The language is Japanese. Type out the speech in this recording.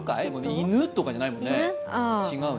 犬とかじゃないもんね。